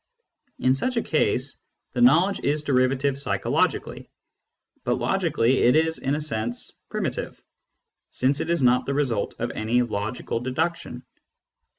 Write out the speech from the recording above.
In such a case, the knowledge is derivative psychologically ; but logically it is in a sense primitive, since it is not the result of any logical deduction.